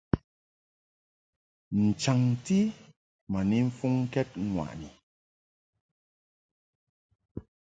N-chaŋti ma ni mfuŋkɛd ŋwaʼni.